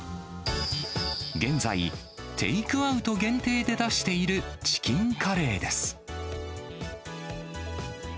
現在、テイクアウト限定で出しているチキンカレーです。